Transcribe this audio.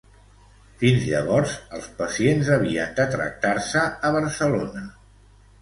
Fins llavors, els pacients havien de tractar-se a Barcelona.